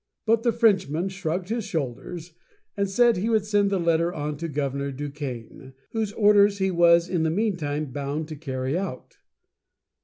But the Frenchman shrugged his shoulders, and said he would send the letter on to Governor Duquesne (doo kān´), whose orders he was in the meantime bound to carry out.